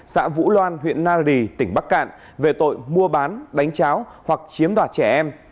xã vũ loan huyện nari tỉnh bắc cạn về tội mua bán đánh cháo hoặc chiếm đoạt trẻ em